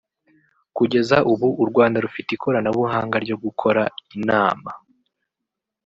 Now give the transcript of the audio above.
Kugeza ubu u Rwanda rufite ikoranabuhanga ryo gukora inama